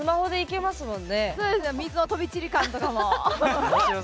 水の飛び散り感とかも。